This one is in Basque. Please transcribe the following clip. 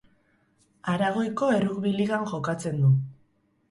Aragoiko Errugbi Ligan jokatzen du.